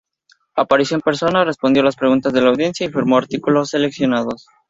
Apareció en persona, respondió a las preguntas de la audiencia y firmó artículos seleccionados.